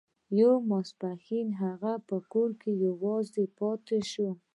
يو ماسپښين هغه په کور کې يوازې پاتې شو.